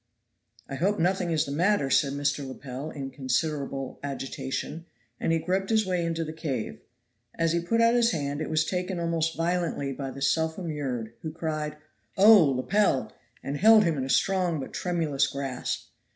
"I hope nothing is the matter," said Mr. Lepel, in considerable agitation, and he groped his way into the cave. As he put out his hand it was taken almost violently by the self immured, who cried: "Oh, Lepel!" and held him in a strong but tremulous grasp.